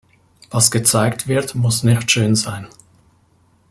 Was gezeigt wird, muss nicht schön sein.